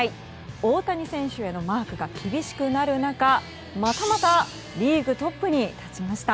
大谷選手へのマークが厳しくなる中またまたリーグトップに立ちました。